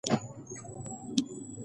ټولنیز ژوند په پوره دقت مطالعه کړئ.